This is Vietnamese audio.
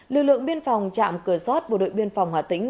lực lượng biên phòng chạm cửa sót bộ đội biên phòng hòa tĩnh